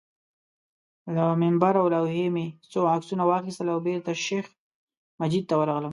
له منبر او لوحې مې څو عکسونه واخیستل او بېرته شیخ مجید ته ورغلم.